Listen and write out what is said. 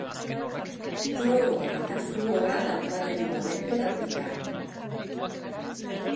Kloroa eta fluorra daukaten molekulak dira.